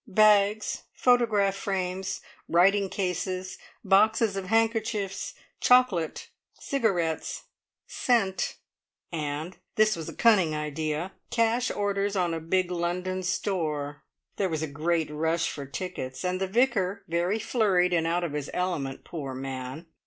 bags, photograph frames, writing cases, boxes of handkerchiefs, chocolate, cigarettes, scent, and this was a cunning idea! cash orders on a big London store. There was a great rush for tickets, and the Vicar very flurried, and out of his element, poor man!